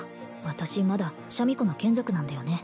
私まだシャミ子の眷属なんだよね